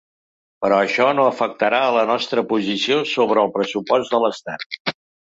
Però això no afectarà a la nostra posició sobre el pressupost de l’estat.